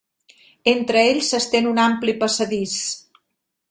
Entre ells s'estén un ampli passadís.